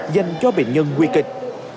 dành cho bệnh nhân nguy kịch